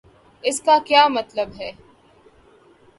اس کا کیا مطلب؟